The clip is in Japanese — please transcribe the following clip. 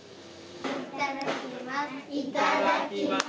いただきます。